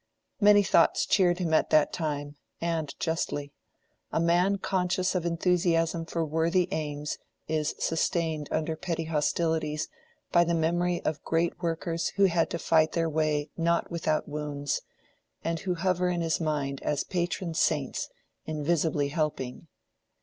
Many thoughts cheered him at that time—and justly. A man conscious of enthusiasm for worthy aims is sustained under petty hostilities by the memory of great workers who had to fight their way not without wounds, and who hover in his mind as patron saints, invisibly helping.